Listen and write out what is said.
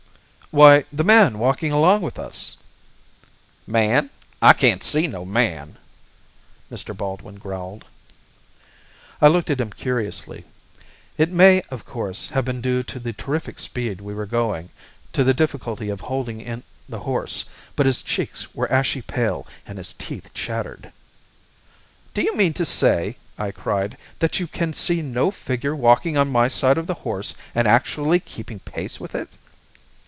"Why, the man walking along with us!" "Man! I can see no man!" Mr. Baldwin growled. I looked at him curiously. It may, of course, have been due to the terrific speed we were going, to the difficulty of holding in the horse, but his cheeks were ashy pale, and his teeth chattered. "Do you mean to say," I cried, "that you can see no figure walking on my side of the horse and actually keeping pace with it?"